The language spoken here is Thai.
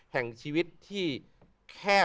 แห่งชีวิตที่แคบ